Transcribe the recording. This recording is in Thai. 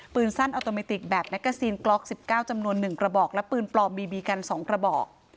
ปืนสั้นออโตเมติกแบบแน็กซีนกล็อกสิบเก้าจำนวนหนึ่งกระบอกและปืนปลอมบีบีกันสองกระบอก